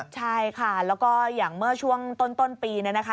ใช่ค่ะแล้วก็อย่างเมื่อช่วงต้นปีเนี่ยนะคะ